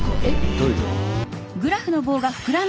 どういうこと？